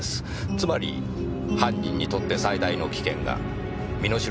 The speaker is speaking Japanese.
つまり犯人にとって最大の危険が身代金受け取りの場面。